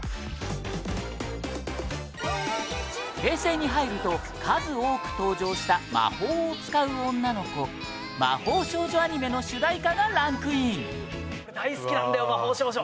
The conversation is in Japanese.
平成に入ると数多く登場した魔法を使う女の子魔法少女アニメの主題歌がランクイン大好きなんだよ、魔法少女！